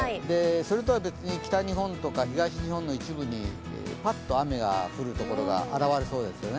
それとは別に北日本とか東日本の一部にパッと雨が降るところが現れそうですよね。